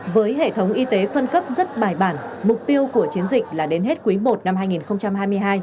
với hệ thống y tế phân cấp rất bài bản mục tiêu của chiến dịch là đến hết quý i năm hai nghìn hai mươi hai